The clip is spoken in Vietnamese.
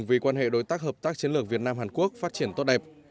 vì quan hệ đối tác hợp tác chiến lược việt nam hàn quốc phát triển tốt đẹp